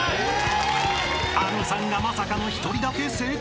［あのさんがまさかの１人だけ正解］